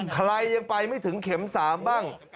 ใครยังไปไม่ถึงเข็ม๓บ้าง